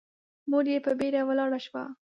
مور يې په بيړه ولاړه شوه.